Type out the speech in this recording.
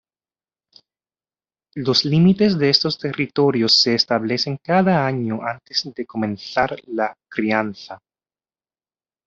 Los límites de estos territorios se establecen cada año antes de comenzar la crianza.